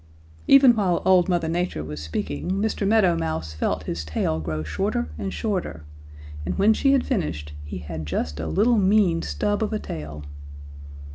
"Even while old Mother Nature was speaking, Mr. Meadow Mouse felt his tail grow shorter and shorter, and when she had finished he had just a little mean stub of a tail.